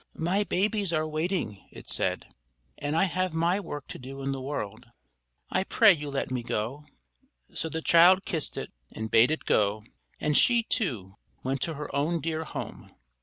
"My babies are waiting," it said, "and I have my work to do in the world. I pray you let me go." So the child kissed it and bade it go; and she, too, went to her own dear home.